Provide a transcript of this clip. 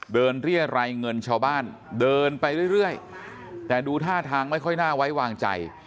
เรียรัยเงินชาวบ้านเดินไปเรื่อยแต่ดูท่าทางไม่ค่อยน่าไว้วางใจ